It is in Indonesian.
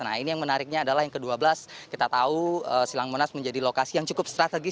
nah ini yang menariknya adalah yang ke dua belas kita tahu silang monas menjadi lokasi yang cukup strategis